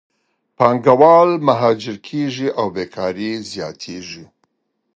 پانګهوال مهاجر کېږي او بیکارۍ زیاتېږي.